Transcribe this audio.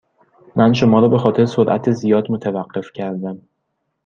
من شما را به خاطر سرعت زیاد متوقف کردم.